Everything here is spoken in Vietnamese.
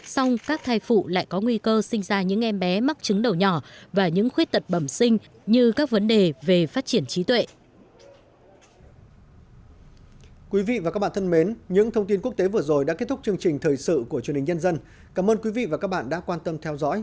xong các thai phụ lại có nguy cơ sinh ra những em bé mắc chứng đầu nhỏ và những khuyết tật bẩm sinh như các vấn đề về phát triển trí tuệ